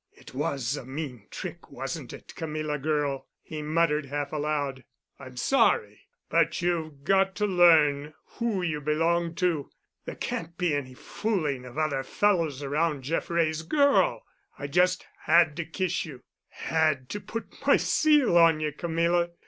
"It was a mean trick, wasn't it, Camilla girl?" he muttered, half aloud. "I'm sorry. But you've got to learn who you belong to. There can't be any fooling of other fellows around Jeff Wray's girl. I just had to kiss you—had to put my seal on you, Camilla.